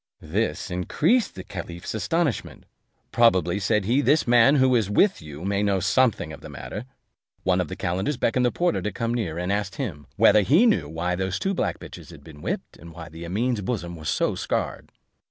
This increased the caliph's astonishment: "Probably," said he, "this man who is with you may know something of the matter." One of the calenders beckoned the porter to come near; and asked him, whether he knew why those two black bitches had been whipped, and why Amene's bosom was so scarred.